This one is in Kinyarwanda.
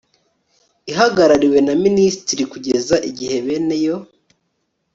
ihagarariwe na Minisiteri kugeza igihe bene yo